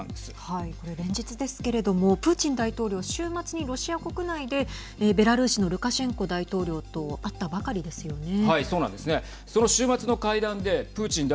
これ連日ですけれどもプーチン大統領週末にロシア国内でベラルーシのルカシェンコ大統領と会ったばかりですよね。